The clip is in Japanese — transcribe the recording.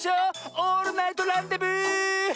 オールナイトランデブー！